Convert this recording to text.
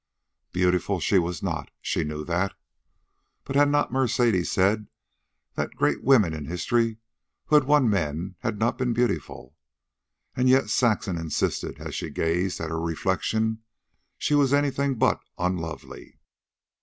Beautiful she was not. She knew that. But had not Mercedes said that the great women of history who had won men had not been beautiful? And yet, Saxon insisted, as she gazed at her reflection, she was anything but unlovely.